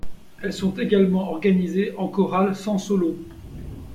Elles sont également organisées en chorales sans solo.